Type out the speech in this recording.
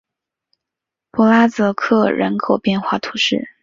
博拉泽克人口变化图示